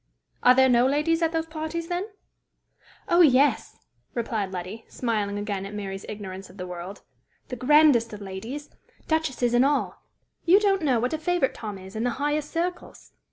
"Are there no ladies at those parties, then?" "Oh, yes!" replied Letty, smiling again at Mary's ignorance of the world, "the grandest of ladies duchesses and all. You don't know what a favorite Tom is in the highest circles!"